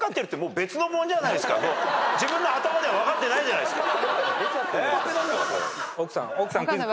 自分の頭では分かってないじゃないですか。